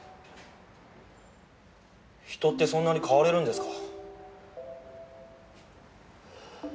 人ってそんなに変われるんですか？